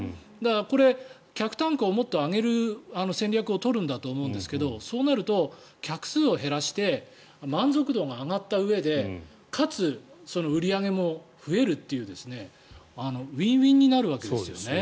これ、客単価をもっと上げる戦略を取ると思うんですがそうなると客数を減らして満足度が上がったうえでかつ、売り上げも増えるっていうウィンウィンになるわけですよね。